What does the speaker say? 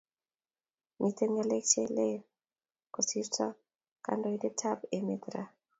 Miten ngalek che lele kosirto kandoitenab emet raa